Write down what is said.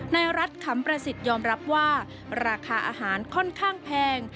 นายรัฐขำประสิทธิ์ยอมรับว่าราคาอาหารค่อนข้างแพง